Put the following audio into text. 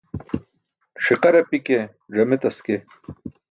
Ṣiqar api ke ẓame taske.